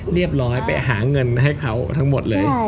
เรียบร้อยไปหาเงินให้เขาทั้งหมดเลย